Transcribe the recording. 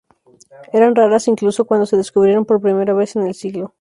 Eran raras incluso cuando se descubrieron por primera vez en el siglo.